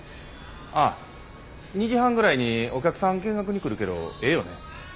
ああ２時半ぐらいにお客さん見学に来るけどええよね？